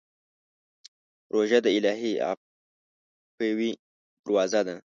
روژه د الهي عفوې دروازه ده.